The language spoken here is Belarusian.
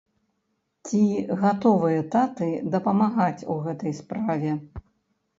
Ці гатовыя таты дапамагаць у гэтай справе?